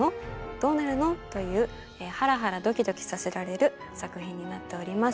どうなるの？というハラハラドキドキさせられる作品になっております。